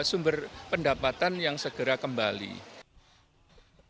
dan kemudian kita bisa mendapatkan keuntungan untuk kembali ke hortikultura